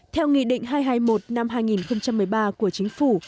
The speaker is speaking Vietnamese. theo nghị định hai trăm hai mươi một năm hai nghìn một mươi ba của chính phủ